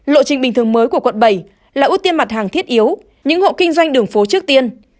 lộ trình bình thường mới của quận bảy là ưu tiên mặt hàng thiết yếu những hộ kinh doanh đường phố trước tiên